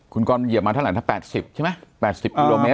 คุณกรเหยียบมาทะเลถ้า๘๐ใช่ไหม๘๐กิโลเมตร